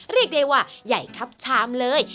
เรียกได้ว่าใหญ่ครับชามเลย